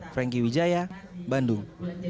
franky wijaya bandung